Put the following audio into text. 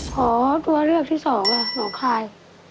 ขอตัวเลือกที่สองค่ะน้องคาย